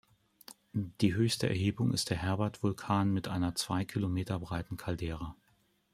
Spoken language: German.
Die höchste Erhebung ist der Herbert-Vulkan mit einer zwei Kilometer breiten Caldera.